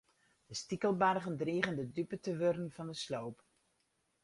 De stikelbargen drigen de dupe te wurden fan de sloop.